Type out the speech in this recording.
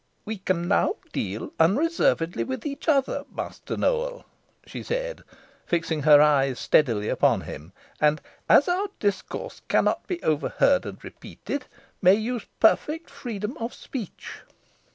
"We can now deal unreservedly with each other, Master Nowell," she said, fixing her eyes steadily upon him; "and, as our discourse cannot be overheard and repeated, may use perfect freedom of speech."